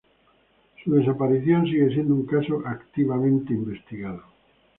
Su desaparición sigue siendo un caso activamente investigado.